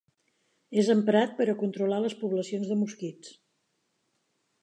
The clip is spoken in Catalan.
És emprat per a controlar les poblacions de mosquits.